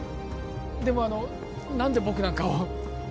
でもあの何で僕なんかを？